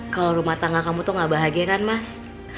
kalau rumah tangga kamu tuh gak bahagia kan mas